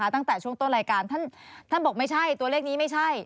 ตั้งแต่ช่วงต้นรายการท่านบอกไม่ใช่ตัวเลขนี้ไม่ใช่